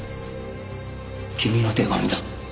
君の手紙だ。